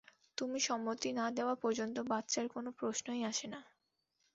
তুমি সম্মতি না দেওয়া পর্যন্ত বাচ্চার কোন প্রশ্নই আসে না।